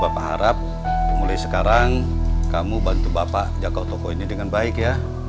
jadi bapak harap mulai sekarang kamu bantu bapak jago toko ini dengan baik ya